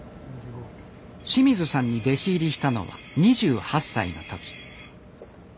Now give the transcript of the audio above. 清水さんに弟子入りしたのは２８歳の時。